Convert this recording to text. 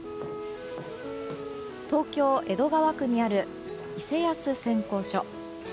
東京・江戸川区にある伊勢保染工所。